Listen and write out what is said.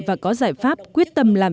và có giải pháp quyết tâm làm